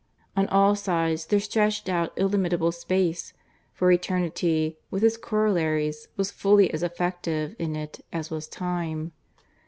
On all sides there stretched out illimitable space, for eternity (with its corollaries) was fully as effective in it as was time.